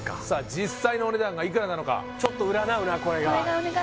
実際のお値段がいくらなのかちょっと占うなこれがお願いお願い